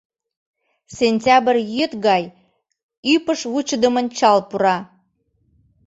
Сентябрь йӱд гай ӱпыш вучыдымын чал пура.